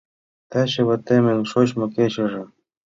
Таче ватемын шочмо кечыже...